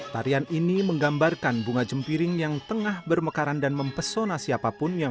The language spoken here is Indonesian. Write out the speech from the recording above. tarian ini menggambarkan bunga jempiring yang tengah bermekaran dan mempesona siapapun yang